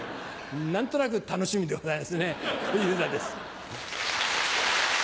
何となく楽しみでございますね小遊三です。